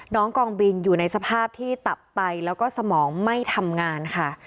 กองบินอยู่ในสภาพที่ตับไตแล้วก็สมองไม่ทำงานค่ะ